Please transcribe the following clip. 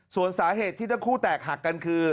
ส่วนสาเหตุที่ทั้งคู่แตกหักกันคือ